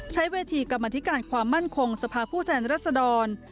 ใช้เวทีกรรมธิการความมั่นคงสภาพผู้แทนรัศดร